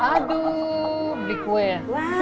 aduh beli kue ya